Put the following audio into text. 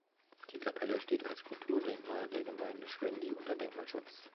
Die Kapelle steht als Kulturdenkmal der Gemeinde Schwendi unter Denkmalschutz.